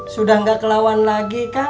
sudah nggak kelawan lagi kah